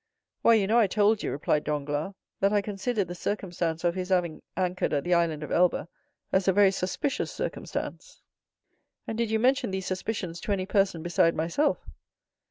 "Why, you know I told you," replied Danglars, "that I considered the circumstance of his having anchored at the Island of Elba as a very suspicious circumstance." "And did you mention these suspicions to any person beside myself?"